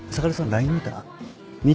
ＬＩＮＥ見た？